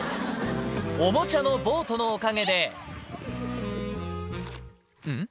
おもちゃのボートのおかげで、ん？